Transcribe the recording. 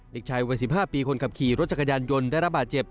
เด็กชายวัย๑๕ปีคนขับขี่รถจักรยานยนต์ได้รับบาดเจ็บ